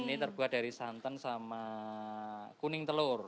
ini terbuat dari santan sama kuning telur